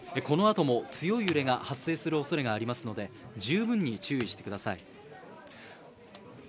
このあとも強い揺れが発生する恐れがありますので十分に注意してください。